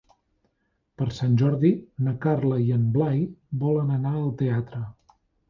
Per Sant Jordi na Carla i en Blai volen anar al teatre.